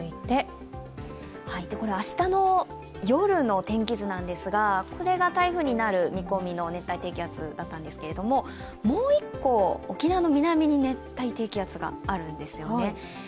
明日の夜の天気図なんですがこれが台風になる見込みの熱帯低気圧だったんですけどもう一個、沖縄の南に熱帯低気圧があるんですよね。